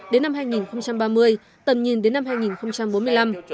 đến năm hai nghìn ba mươi tầm nhìn đến năm hai nghìn bốn mươi năm